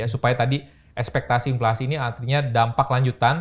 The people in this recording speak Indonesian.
supaya tadi ekspektasi inflasi ini artinya dampak lanjutan